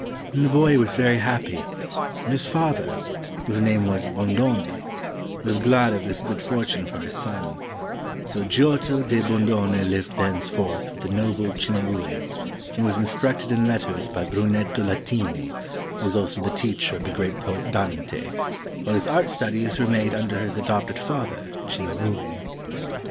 The boy was very happy, and his father — whose name was Bondone — was glad of this good for tune for his son; so Giotto di Bondone lived thenceforth with the noble Cimabue, and was instructed in letters by Brunetto Latini, who was also the teacher of the great poet Dante, while his art studies were made under his adopted father, Cimabue.